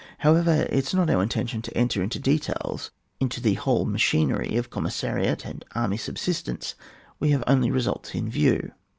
However, it is not our intention to enter into details — into the whole ma chinery of commissariat and army sub sistence ; we have only results in view.